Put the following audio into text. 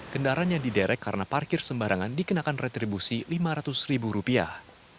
kendaraan yang diderek karena parkir sembarangan dikenakan retribusi lima ratus ribu rupiah